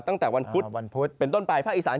ตั้งแต่วันพุธเป็นต้นปลายภาคอีสาน